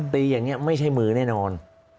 ตีอย่างนี้ไม่ใช่มือแน่นอน